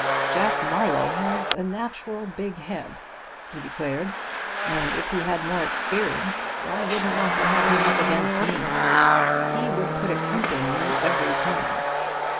"Jack Marlowe has a natural big head," he declared, "and if he had more experience, I wouldn't want to have him up against me. He would put a crimp in me every time."